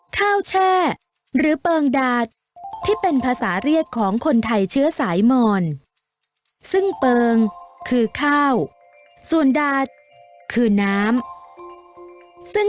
แช่หรือเปิงดาดที่เป็นภาษาเรียกของคนไทยเชื้อสายมอนซึ่งเปิงคือข้าวส่วนดาดคือน้ำซึ่ง